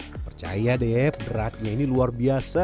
percaya deh beratnya ini luar biasa